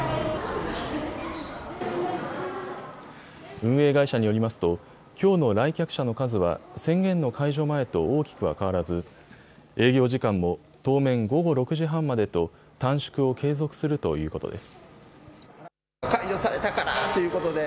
運営会社によりますときょうの来客者の数は宣言の解除前と大きくは変わらず営業時間も当面、午後６時半までと短縮を継続するということです。